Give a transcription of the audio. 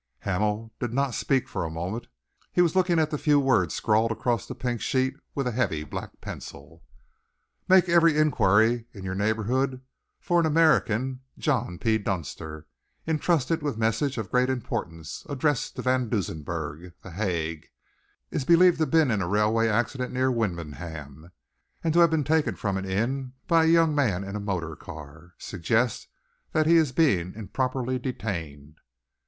Hamel did not speak for a moment. He was looking at the few words scrawled across the pink sheet with a heavy black pencil: "Make every enquiry in your neighbourhood for an American, John P. Dunster, entrusted with message of great importance, addressed to Von Dusenberg, The Hague. Is believed to have been in railway accident near Wymondham and to have been taken from inn by young man in motor car. Suggest that he is being improperly detained."